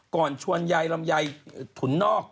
ก่อนชวนยายลำไยถุนนอก